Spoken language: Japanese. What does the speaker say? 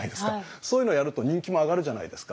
そういうのをやると人気も上がるじゃないですか。